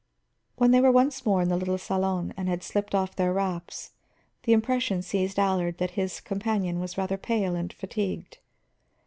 When they were once more in the little salon and had slipped off their wraps, the impression seized Allard that his companion was rather pale and fatigued.